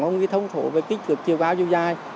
không ghi thông số về kích cực chiều cao chiều dài